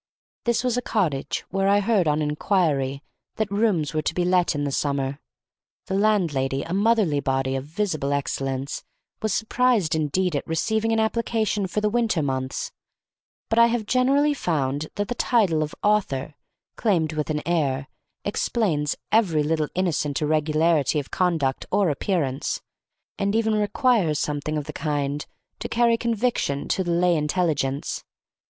This was a cottage where I heard, on inquiry, that rooms were to be let in the summer. The landlady, a motherly body, of visible excellence, was surprised indeed at receiving an application for the winter months; but I have generally found that the title of "author," claimed with an air, explains every little innocent irregularity of conduct or appearance, and even requires something of the kind to carry conviction to the lay intelligence.